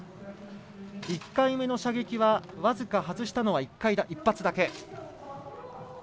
１回目の射撃は僅か外したのは１発だけ。